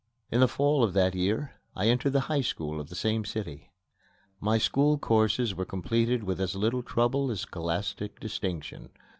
In the fall of that year I entered the High School of the same city. My school courses were completed with as little trouble as scholastic distinction.